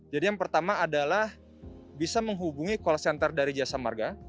jadi yang pertama adalah bisa menghubungi call center dari jasa marga